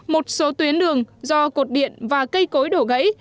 một số tuyến đường do cột điện và cây cối đổ gãy